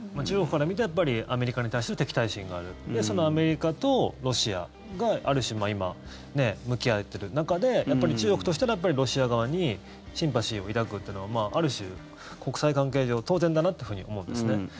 中国から見てやっぱりアメリカに対しての敵対心があるそのアメリカとロシアがある種今、向き合っている中でやっぱり中国としたらロシア側にシンパシーを抱くというのはある種、国際関係上当然だなと思うんですね。